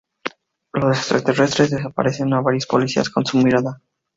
Los Extraterrestres desaparecen a varios policías con su mirada.